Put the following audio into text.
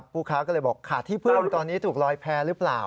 ผู้ค้าก็เลยบอกขาดที่เพิ่มตอนนี้ถูกลอยแพ้หรือเปล่า